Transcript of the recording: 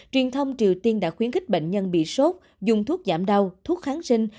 truyền thông triều tiên đã khuyến khích bệnh nhân bị sốt dùng thuốc giảm đau thuốc kháng sinh